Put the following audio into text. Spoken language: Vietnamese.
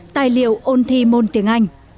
tài liệu ôn thi môn tiếng anh